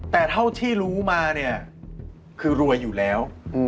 แต่เท่าที่รู้มาเนี่ยคือรวยอยู่แล้ว